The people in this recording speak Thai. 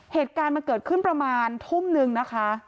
เหตุการณ์มันเกิดขึ้นประมาณทุ่มนึงนะคะ